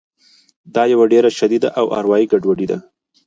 دا یوه ډېره شدیده اروایي ګډوډي ده